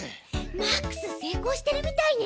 マックス成功してるみたいね。